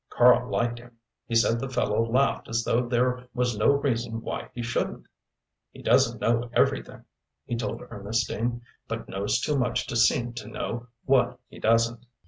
Karl liked him; he said the fellow laughed as though there was no reason why he shouldn't. "He doesn't know everything," he told Ernestine, "but knows too much to seem to know what he doesn't."